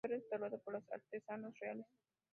Fue restaurado por los artesanos reales.